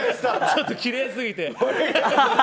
ちょっときれいすぎて。